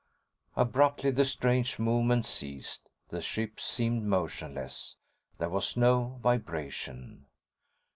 Abruptly, the strange movement ceased. The ship seemed motionless. There was no vibration.